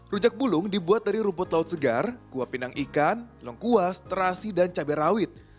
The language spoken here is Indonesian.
rujak bulung dibuat dari rumput laut segar kuah pinang ikan lengkuas terasi dan cabai rawit